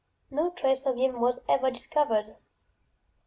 No trace of him was ever discovered.